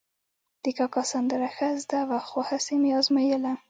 د کاکا سندره ښه زده وه، خو هسې مې ازمایله.